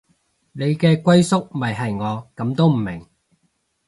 你嘅歸宿咪係我，噉都唔明